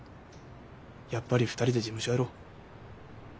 やっぱり２人で事務所やろう。